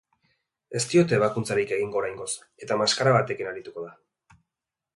Ez diote ebakuntzarik egingo oraingoz eta maskara batekin arituko da.